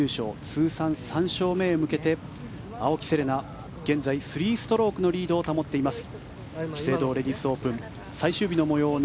通算３勝目へ向けて青木瀬令奈、現在３ストロークのリードを保っています。